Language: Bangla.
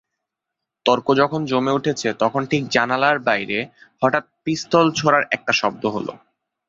তর্ক যখন জমে উঠেছে তখন ঠিক জানালার বাইরে হঠাৎ পিস্তল ছোড়ার একটা শব্দ হল।